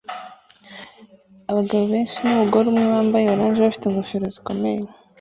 Abagabo benshi numugore umwe bambaye orange bafite ingofero zikomeye